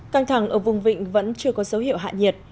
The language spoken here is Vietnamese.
căng thẳng ở vùng vịnh vẫn chưa có dấu hiệu hạ nhiệt